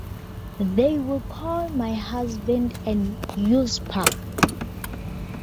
They will call my husband an usurper!